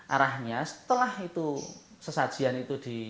arahnya setelah itu sesajian itu di